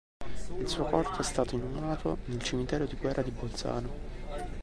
Il suo corpo è stato inumato nel cimitero di guerra di Bolzano.